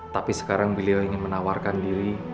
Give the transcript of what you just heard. tapi sekarang beliau ingin menawarkan diri